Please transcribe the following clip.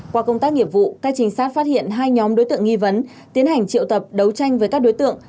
qua công tác nghiệp vụ các trinh sát phát hiện hai nhóm đối tượng nghi vấn tiến hành triệu tập đấu tranh với các đối tượng